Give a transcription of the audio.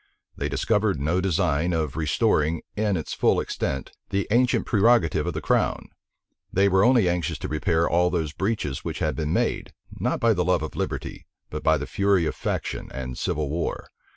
They discovered no design of restoring, in its full extent, the ancient prerogative of the crown: they were only anxious to repair all those breaches which had been made, not by the love of liberty, but by the fury of faction and civil war.